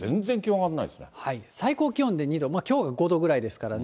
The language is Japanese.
はい、最高気温で２度、きょうが５度ぐらいですからね、